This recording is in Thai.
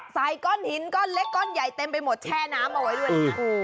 ก้อนหินก้อนเล็กก้อนใหญ่เต็มไปหมดแช่น้ำเอาไว้ด้วยนะคะ